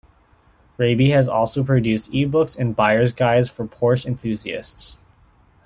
Raby has also produced eBooks and buyers' guides for Porsche enthusiasts.